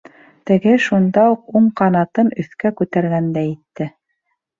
Тегеһе шунда уҡ уң ҡанатын өҫкә күтәргәндәй итте.